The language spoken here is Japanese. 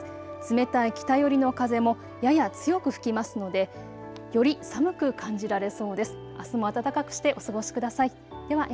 冷たい北寄りの風もやや強く吹きますのでより寒く感じられそうです。